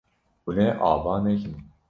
Hûn ê ava nekin.